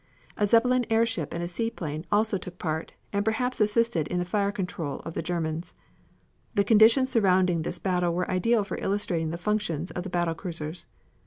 A Zeppelin airship and a seaplane also took part, and perhaps assisted in the fire control of the Germans. The conditions surrounding this battle were ideal for illustrating the functions of battle cruisers.